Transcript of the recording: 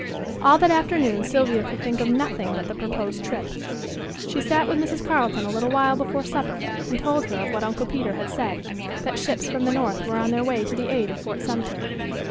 All that afternoon Sylvia could think of nothing but the proposed trip. She sat with Mrs. Carleton a little while before supper, and told her of what Uncle Peter had said: that ships from the north were on the way to the aid of Fort Sumter.